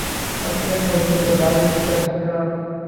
اب میں یہ مزید برداشت نہیں کرسکتا